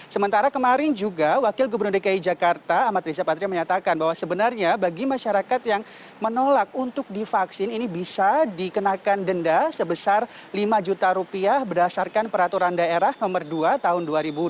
sementara kemarin juga wakil gubernur dki jakarta amat riza patria menyatakan bahwa sebenarnya bagi masyarakat yang menolak untuk divaksin ini bisa dikenakan denda sebesar lima juta rupiah berdasarkan peraturan daerah nomor dua tahun dua ribu dua puluh